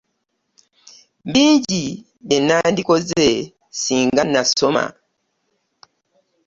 Bingi bye nandikoze ssinga nasoma.